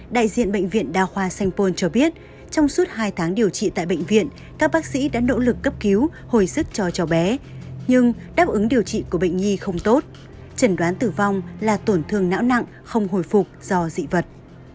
đại diện bệnh viện đa khoa sanh pôn cho biết trong suốt hai tháng điều trị tại bệnh viện các bác sĩ đã nỗ lực cấp cứu hồi sức cho cháu bé nhưng đáp ứng điều trị của bệnh nhi không tốt trần đoán tử vong là tổn thương não nặng không hồi phục do dị vật